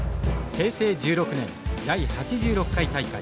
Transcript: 平成１６年第８６回大会。